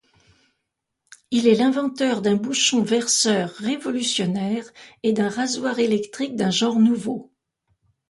Il est l'inventeur d'un bouchon verseur révolutionnaire, et d'un rasoir électrique d'un genre nouveau.